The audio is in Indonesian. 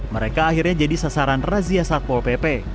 mereka akhirnya jadi sasaran razia satpol pp